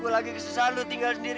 gue lagi kesusahan lo tinggal sendirian